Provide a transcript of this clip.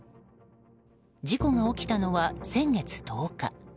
事故が起きたのは先月１０日。